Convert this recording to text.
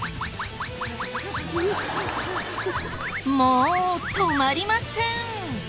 もう止まりません！